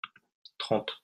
trente.